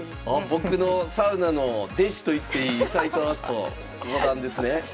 僕のサウナの弟子といっていい斎藤明日斗五段ですね。